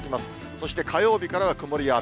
そして火曜日からは曇りや雨。